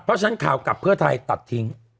เพราะฉะนั้นข่าวกลับเพื่อไทยตัดทิ้ง